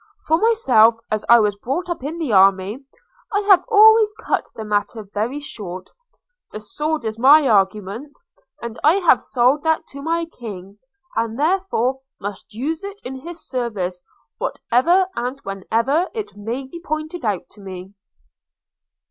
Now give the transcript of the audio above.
For myself, as I was brought up in the army, I have always cut the matter very short – the sword is my argument; and I have sold that to my King, and therefore must use it in his service, whatever and wherever it may be pointed out to me.'